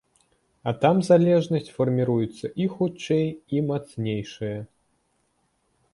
А там залежнасць фарміруецца і хутчэй, і мацнейшая.